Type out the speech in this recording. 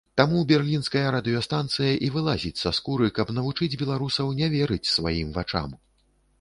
Таму берлінская радыёстанцыя і вылазіць са скуры, каб навучыць беларусаў не верыць сваім вачам.